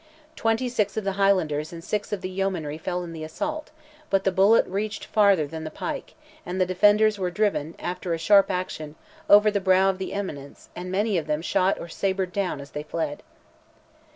Twenty six of the Highlanders and six of the Yeomanry fell in the assault, but the bullet reached farther than the pike, and the defenders were driven, after a sharp action, over the brow of the eminence, and many of them shot or sabred down as they fled.